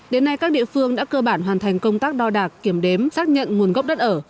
đến nay các địa phương đã cơ bản hoàn thành công tác đo đạc kiểm đếm xác nhận nguồn gốc đất ở